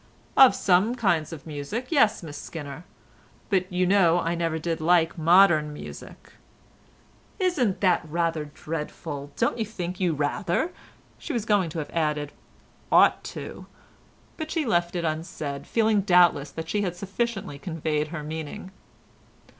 "Of some kinds of music, yes, Miss Skinner, but you know I never did like modern music." "Isn't that rather dreadful?—Don't you think you rather"—she was going to have added, "ought to?" but she left it unsaid, feeling doubtless that she had sufficiently conveyed her meaning.